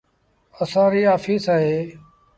اسآݩ ريٚ آڦيٚس اهي۔